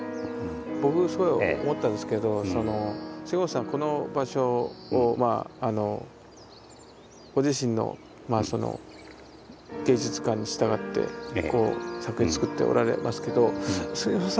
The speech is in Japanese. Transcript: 僕すごい思ったんですけど杉本さんはこの場所をご自身のその芸術観に従って作品を作っておられますけど杉本さん